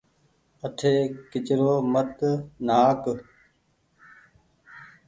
آٺي ڪچرو مت نآهآڪ۔